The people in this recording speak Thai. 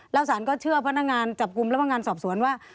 แล้วสารก็เชื่อพนักงานจับกลุ่มและพนักงานสอบสวนว่า